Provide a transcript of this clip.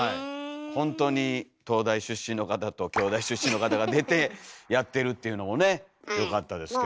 ほんとに東大出身の方と京大出身の方が出てやってるっていうのもねよかったですけど。